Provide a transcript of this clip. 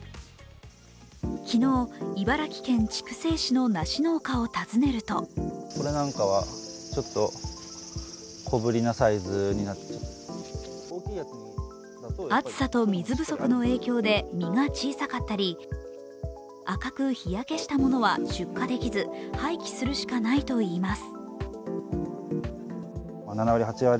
昨日、茨城県筑西市の梨農家を訪ねると暑さと水不足の影響で、実が小さかったり赤く日焼けしたものは出荷できず、廃棄するしかないといいます。